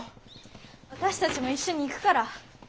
私たちも一緒に行くから。